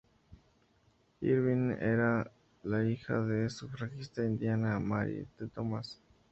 Irvine era la hija de la sufragista Indiana Mary M. Thomas.